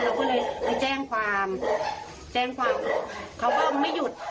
เราก็เลยแจ้งความเขาก็ไม่หยุด